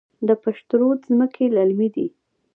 د پشت رود ځمکې للمي دي